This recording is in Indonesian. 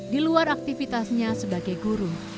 di luar aktivitasnya sebagai guru